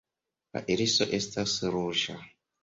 La iriso estas ruĝa.